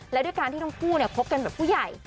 แล้วด้วยการที่ทั้งคู่คบกันแบบผู้ใหญ่